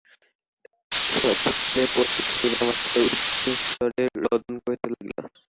শব ভূতলে পতিত হইবামাত্র উচ্চৈঃ স্বরে রোদন করিতে লাগিল।